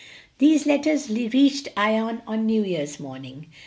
These letters reached Ion on New Year's morning.